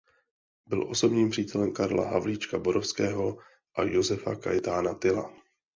Byl osobním přítelem Karla Havlíčka Borovského a Josefa Kajetána Tyla.